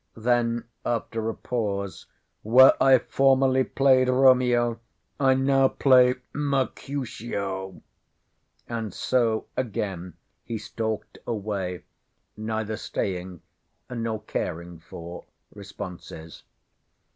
Then, after a pause—"Where I formerly played Romeo, I now play Mercutio,"—and so again he stalked away, neither staying, nor caring for, responses.